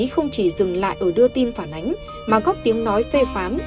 không chỉ dừng lại ở đưa tin phản ánh mà góp tiếng nói phê phán